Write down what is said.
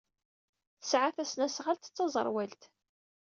Tesɛa tasnasɣalt d taẓerwalt.